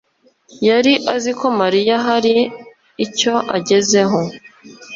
yari azi ko Mariya hari icyo agezeho.